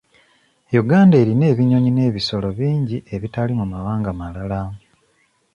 Uganda erina ebinyonyi n'ebisolo bingi ebitali mu mawanga malala.